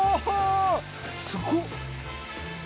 すごっ！